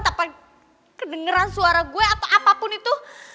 tapi kedengeran suara gue atau apapun itu